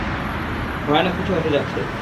ভয়ানক কিছু হতে যাচ্ছে!